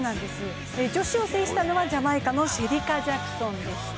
女子を制したのはジャマイカのシェリカ・ジャクソンでした。